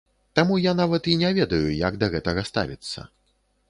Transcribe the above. Таму я нават і не ведаю, як да гэтага ставіцца.